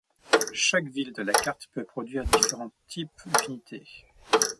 Chaque ville de la carte peut produire différents types d’unités.